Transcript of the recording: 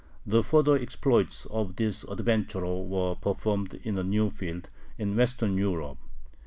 The further exploits of this adventurer were performed in a new field, in Western Europe.